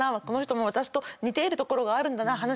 この人も私と似ているところがあるんだな。